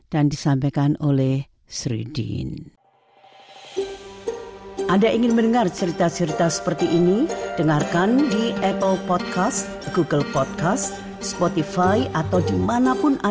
dan disampaikan oleh sri din